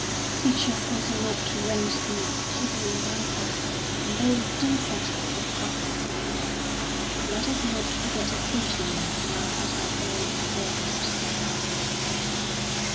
Teach us also not to rant too much, even in thy service; and though we do set up for prophets and the like, let us not forget occasionally to laugh at our very august selves.